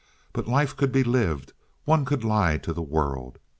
But life could be lived. One could lie to the world.